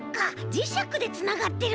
じしゃくでつながってるんだ！